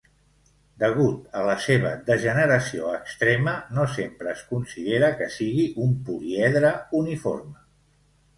Degut a la seva degeneració extrema, no sempre es considera que sigui un políedre uniforme.